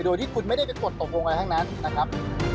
โดยที่คุณไม่ได้ไปกดตกลงอะไรทั้งนั้นนะครับ